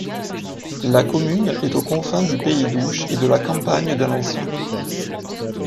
La commune est aux confins du pays d'Ouche et de la campagne d’Alençon.